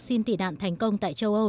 xin tị nạn thành công tại châu âu